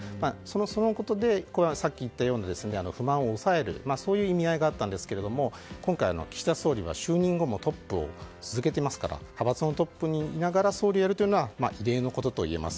そのことでさっき言ったような不満を抑える意味合いがあったんですが今回、岸田総理は就任後もトップを続けていますから派閥のトップにいながら総理をやるというのは異例のことと言えます。